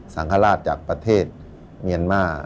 สังฆราชจากประเทศเมียนมา